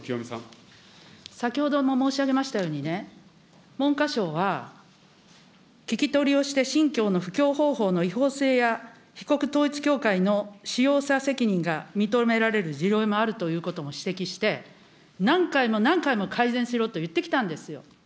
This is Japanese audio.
先ほども申し上げましたようにね、文科省は聞き取りをして信教の布教方法の違法性や被告統一教会の使用者責任が認められる事例もあるということも指摘して、何回も何回も改善しろといってきたんですよ。